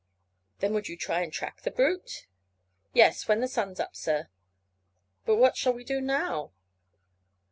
"Then you would try and track the brute?" "Yes, when the sun's up, sir." "But what shall we do now?"